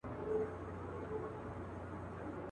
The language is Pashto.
د هر قوم له داستانو څخه خبر وو.